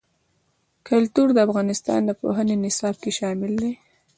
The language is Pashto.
کلتور د افغانستان د پوهنې نصاب کې شامل دي.